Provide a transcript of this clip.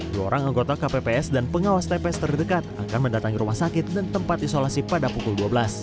dua orang anggota kpps dan pengawas tps terdekat akan mendatangi rumah sakit dan tempat isolasi pada pukul dua belas